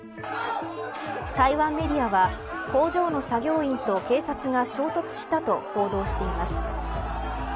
台湾メディアは工場の作業員と警察が衝突したと報道しています。